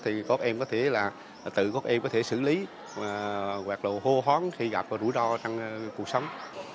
thì các em có thể là tự các em có thể xử lý hoặc là hô hoán khi gặp rủi ro trong cuộc sống